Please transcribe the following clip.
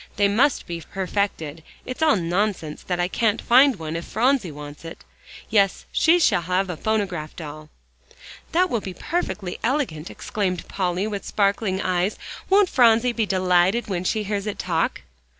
"They must be perfected it's all nonsense that I can't find one if Phronsie wants it! Yes, she shall have a phonograph doll." "That will be perfectly elegant," exclaimed Polly, with sparkling eyes. "Won't Phronsie be delighted when she hears it talk?"